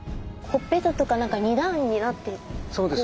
ほっぺたとか何か２段になってる。